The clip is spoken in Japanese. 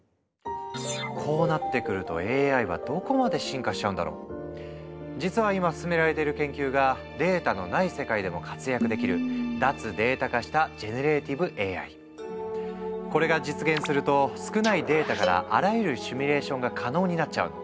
こうなってくると実は今進められてる研究がデータのない世界でも活躍できるこれが実現すると少ないデータからあらゆるシミュレーションが可能になっちゃうの。